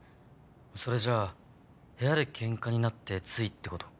それじゃあ部屋でケンカになってついってこと？